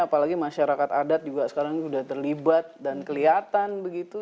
apalagi masyarakat adat juga sekarang sudah terlibat dan kelihatan begitu